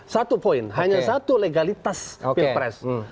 satu poin hanya satu legalitas pilpres